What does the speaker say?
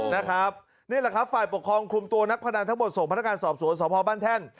นี่แหละครับฝ่ายปกครองคุมตัวนักพนันทั้งหมดส่งพนักงานสอบสวนสพบ้านแท่น